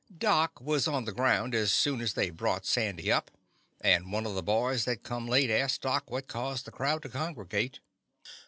Doc was on the ground as soon as they brought Sandy up, and one of the boys that come late asked Doc what caused the crowd to congregate.